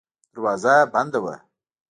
دروازه یې بنده وه.